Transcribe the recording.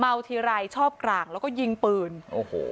ทีไรชอบกลางแล้วก็ยิงปืนโอ้โห